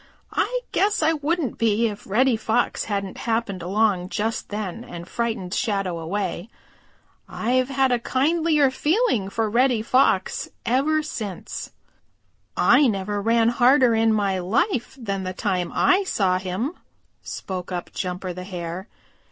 I guess I wouldn't be if Reddy Fox hadn't happened along just then and frightened Shadow away. I've had a kindlier feeling for Reddy Fox ever since." "I never ran harder in my life than the time I saw him," spoke up Jumper the Hare.